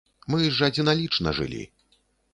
Мы ж адзіналічна жылі.